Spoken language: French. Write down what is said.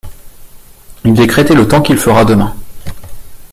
Il décrétait le temps qu’il fera demain.